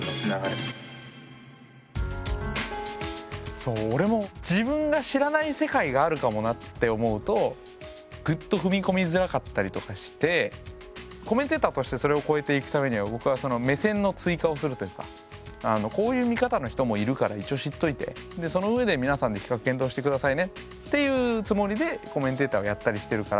そう俺も自分が知らない世界があるかもなって思うとぐっと踏み込みづらかったりとかしてコメンテーターとしてそれを超えていくためには僕は目線の追加をするというかこういう見方の人もいるから一応知っといてでその上で皆さんで比較検討してくださいねっていうつもりでコメンテーターをやったりしてるから。